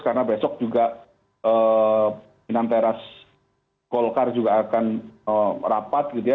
karena besok juga bintang teras kolkar juga akan rapat gitu ya